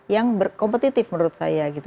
yang kompetitif menurut saya gitu